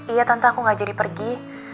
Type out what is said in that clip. iya tante aku gak jadi pergi